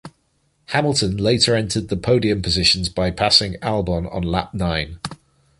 Hamilton later entered the podium positions by passing Albon on lap nine.